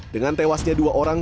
dengan tewasnya dua orang